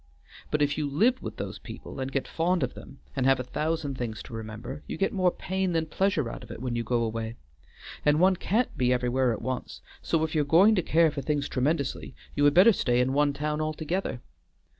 But if you live with those people, and get fond of them, and have a thousand things to remember, you get more pain than pleasure out of it when you go away. And one can't be everywhere at once, so if you're going to care for things tremendously, you had better stay in one town altogether.